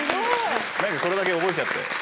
何かこれだけ覚えちゃって。